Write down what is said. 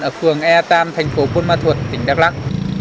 ở phường e ba thành phố bôn ma thuật tỉnh đắk lắc